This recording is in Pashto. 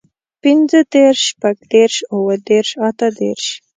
پينځهدېرش، شپږدېرش، اووهدېرش، اتهدېرش